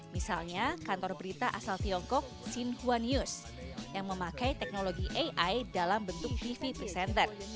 misalnya kantor berita asal tiongkok xinhuan news yang memakai teknologi ai dalam bentuk tv presenter